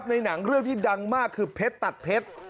ในหนังเรื่องที่ดังมากคือเพชรตัดเพชร